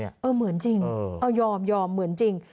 เออเหมือนจริงยอมเหมือนจริง